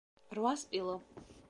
რვა სპილო.